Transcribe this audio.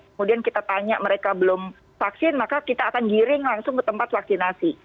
kemudian kita tanya mereka belum vaksin maka kita akan giring langsung ke tempat vaksinasi